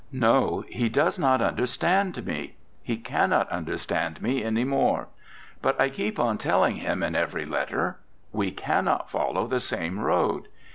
No, he does not understand me. He cannot understand me any more. But I keep on telling him that in every letter: we cannot follow the same road.